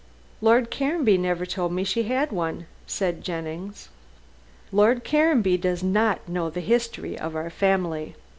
"Lord Caranby never told me she had one," said Jennings. "Lord Caranby does not know the history of our family."